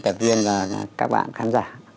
cảm ơn các bạn khán giả